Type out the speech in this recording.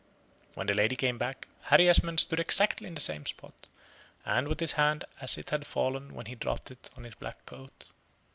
When the lady came back, Harry Esmond stood exactly in the same spot, and with his hand as it had fallen when he dropped it on his black coat.